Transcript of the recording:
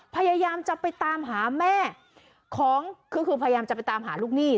พยายามจะไปตามหาแม่ของคือคือพยายามจะไปตามหาลูกหนี้